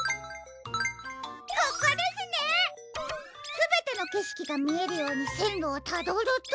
すべてのけしきがみえるようにせんろをたどると。